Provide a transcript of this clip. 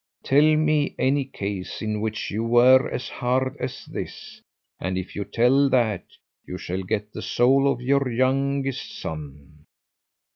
Tell me any case in which you were as hard as this, and if you tell that, you shall get the soul of your youngest son."